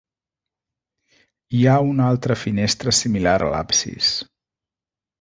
Hi ha una altra finestra similar a l'absis.